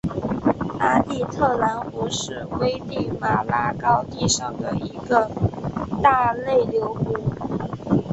阿蒂特兰湖是危地马拉高地上的一个大内流湖。